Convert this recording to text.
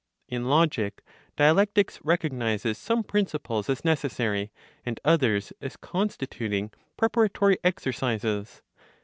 In logic, dialectics recognizes some principles as necessary, and others as constituting preparatory exercises.